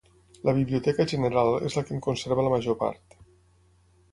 La Biblioteca General és la que en conserva la major part.